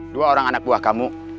dua orang anak buah kamu